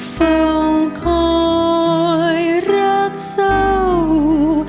เฝ้าคอยรักเศร้า